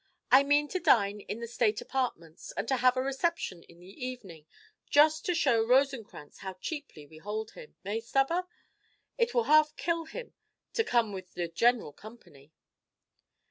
"I mean to dine in the state apartments, and to have a reception in the evening, just to show Rosenkrantz how cheaply we hold him. Eh, Stubber? It will half kill him to come with the general company!"